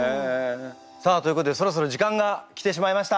さあということでそろそろ時間が来てしまいました。